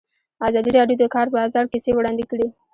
ازادي راډیو د د کار بازار کیسې وړاندې کړي.